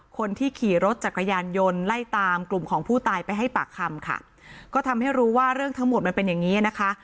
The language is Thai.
คนที่ขี่รถจักรยานยนต์ไล่ตามกลุ่มของผู้ตายไปให้ปากคำค่ะก็ทำให้รู้ว่าเรื่องทั้งหมดมันเป็นอย่างงี้นะคะ